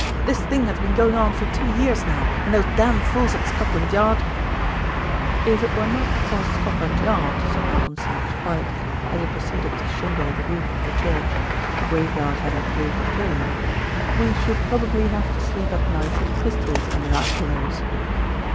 This thing has been going on for two years now, and those damn fools at Scotland Yard " "If it were not for Scotland Yard," said Malcolm Sage quietly, as he proceeded to shingle the roof of the church, the graveyard having proved a failure, "we should probably have to sleep at night with pistols under our pillows."